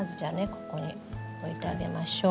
ここに置いてあげましょう。